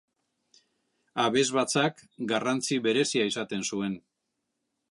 Abesbatzak garrantzi berezia izaten zuen.